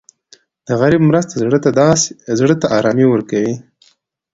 د غریب مرسته زړه ته ارامي ورکوي.